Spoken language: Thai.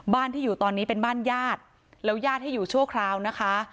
บ้านที่อยู่ตอนนี้เป็นบ้านญาติแล้วญาติให้อยู่ชั่วคราวนะคะ